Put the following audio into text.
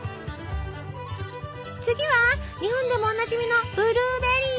次は日本でもおなじみのブルーベリー。